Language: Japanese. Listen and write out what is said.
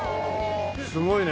すごいね。